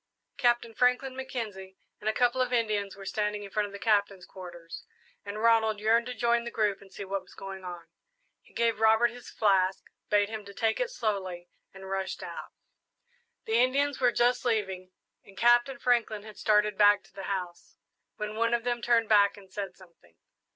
Captain Franklin, Mackenzie, and a couple of Indians were standing in front of the Captain's quarters, and Ronald yearned to join the group and see what was going on. He gave Robert his flask, bade him take it slowly, and rushed out. The Indians were just leaving, and Captain Franklin had started back to the house, when one of them turned back and said something.